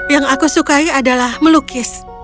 yang aku sukai adalah melukis